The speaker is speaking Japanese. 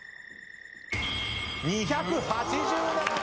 ２８７点。